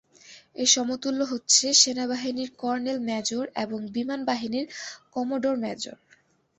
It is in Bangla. এর সমতুল্য হচ্ছে সেনাবাহিনীর কর্নেল-মেজর এবং বিমান বাহিনীর কমোডর-মেজর।